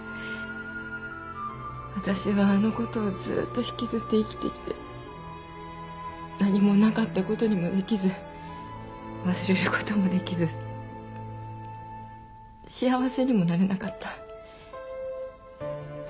私はあの事をずっと引きずって生きてきて何もなかった事にもできず忘れる事もできず幸せにもなれなかった。